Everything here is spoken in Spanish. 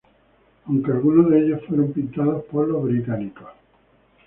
Aunque, algunos de ellos fueron pintados por los británicos.